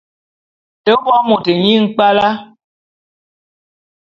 Te bo môt nyi nkpwala.